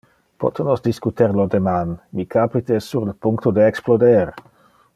Pote nos discuter lo deman? Mi capite es sur le puncto de exploder.